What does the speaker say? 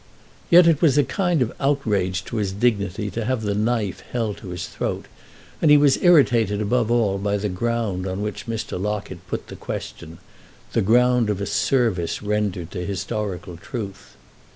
Yet it was a kind of outrage to his dignity to have the knife held to his throat, and he was irritated above all by the ground on which Mr. Locket put the question—the ground of a service rendered to historical truth.